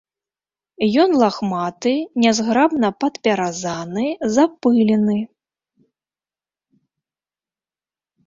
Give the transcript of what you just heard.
Ён лахматы, нязграбна падпяразаны, запылены.